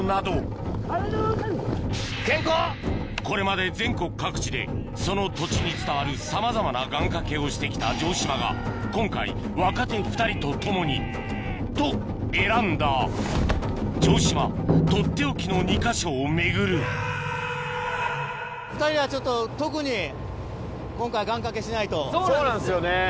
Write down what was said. これまで全国各地でその土地に伝わるさまざまな願掛けをして来た城島が今回若手２人と共にと選んだ城島とっておきの２か所を巡るそうなんですよね！